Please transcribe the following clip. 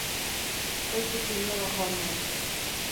Ez dut inora joan nahi.